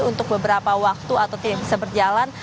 untuk beberapa waktu atau tidak bisa berjalan